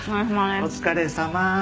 お疲れさま。